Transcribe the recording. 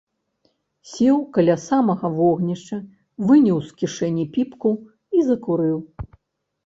Сеў каля самага вогнішча, выняў з кішэні піпку і закурыў.